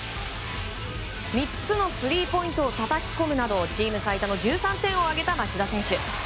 ３つのスリーポイントをたたき込むなどチーム最多の１３点を挙げた町田選手。